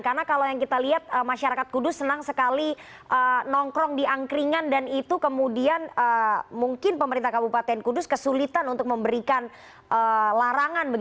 karena kalau yang kita lihat masyarakat kudus senang sekali nongkrong di angkringan dan itu kemudian mungkin pemerintah kabupaten kudus kesulitan untuk memberikan larangan